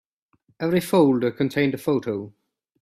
Every folder contained a photo.